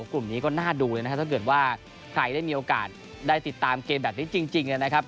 กลุ่มนี้ก็น่าดูเลยนะครับถ้าเกิดว่าใครได้มีโอกาสได้ติดตามเกมแบบนี้จริงนะครับ